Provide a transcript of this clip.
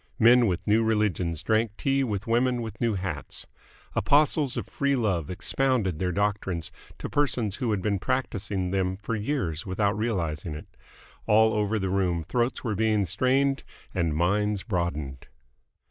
Men with new religions drank tea with women with new hats. Apostles of Free Love expounded their doctrines to persons who had been practising them for years without realising it. All over the room throats were being strained and minds broadened.